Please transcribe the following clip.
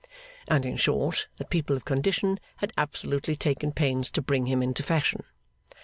and, in short, that people of condition had absolutely taken pains to bring him into fashion.